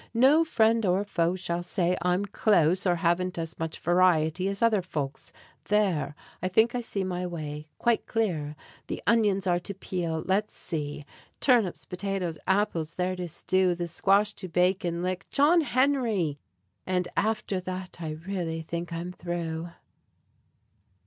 No friend or foe shall say I'm close, or haven't as much variety As other folks. There! I think I see my way Quite clear. The onions are to peel. Let's see: Turnips, potatoes, apples there to stew, This squash to bake, and lick John Henry! And after that I really think I'm through.